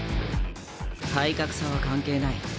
体格差は関係ない。